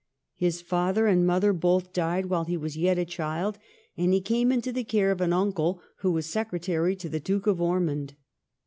His father and mother both died while he was yet a child, and he came into the care of an uncle who was secretary to the Duke of Ormond.